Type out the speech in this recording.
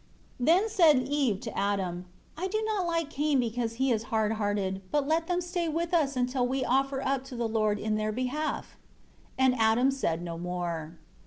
4 The said Eve to Adam, "I do not like Cain because he is hard hearted; but let them stay with us until we offer up to the Lord in their behalf." 5 And Adam said no more.